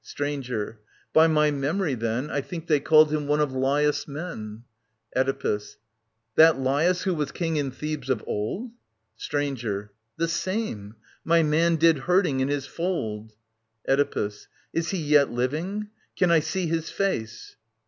Stranger. By my memory, then, I think they called him one of LaTus* men. Oedipus. ^ That LaTus who was king in Thebjes of old ? Stranger, , r^'^'^'^ The same. My man did herding in his fold. . t ^ Oedipus. Is he yet living ? Can I see his face